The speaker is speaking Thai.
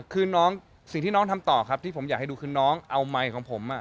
คือน้องสิ่งที่น้องทำต่อครับที่ผมอยากให้ดูคือน้องเอาไมค์ของผม